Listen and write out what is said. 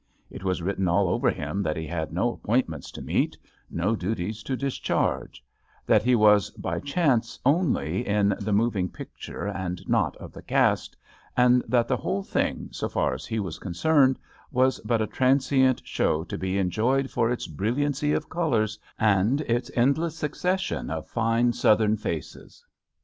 It was ^written all over him that he had no appoint pC ments to meet, no duties to discharge ; that he ^ was by chance, only, in the moving picture and not of the cast, and that the whole thing, so far as he was concerned, was but a transient show to be enjoyed for its brilliancy of colors and its endless succession of fine Southern faces.